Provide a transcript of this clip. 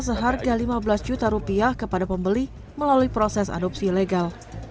seharga lima belas juta rupiah kepada pembeli melalui proses adopsi legal